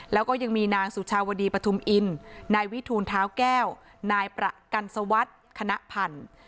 แล้วก็ยังมีนางสุชาวดีปฐุมอินนายวิทูลเท้าแก้วนายประกันสวัสดิ์คณะพันธุ์